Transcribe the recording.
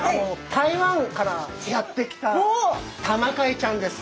台湾からやって来たタマカイちゃんです。